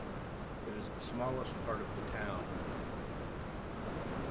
It is the smallest part of the town.